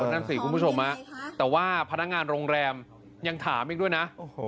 นั่นสิคุณผู้ชมแต่ว่าพนักงานโรงแรมยังถามอีกด้วยนะ